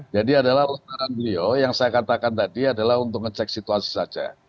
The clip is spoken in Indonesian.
jadi adalah lontaran beliau yang saya katakan tadi adalah untuk ngecek situasi saja